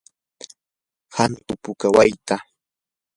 hantu puka wayta.